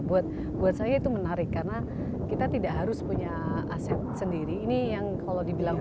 buat buat saya itu menarik karena kita tidak harus punya aset sendiri ini yang kalau dibilang